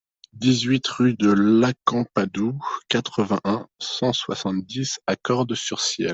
dix-huit rue de l'Acampadou, quatre-vingt-un, cent soixante-dix à Cordes-sur-Ciel